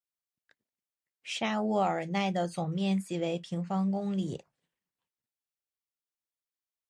沙沃尔奈的总面积为平方公里。